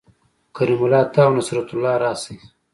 کریم الله ته او نصرت الله راشئ